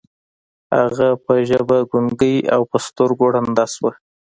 هغه پر ژبه ګونګۍ او پر سترګو ړنده شوه.